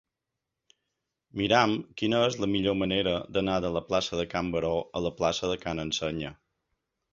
Mira'm quina és la millor manera d'anar de la plaça de Can Baró a la plaça de Ca n'Ensenya.